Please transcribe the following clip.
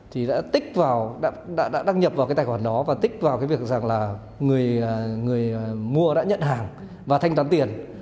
thì đã tích đã đăng nhập vào cái tài khoản đó và tích vào cái việc rằng là người mua đã nhận hàng và thanh toán tiền